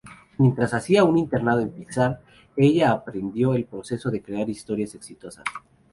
Mientras hacía un internado en Pixar, ella aprendió el proceso de crear historias exitosas.